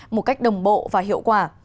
một cách đồng bộ và hiệu quả